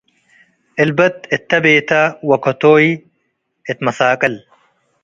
እልበት እተ ቤተ ወከቶይ እት መሳቅል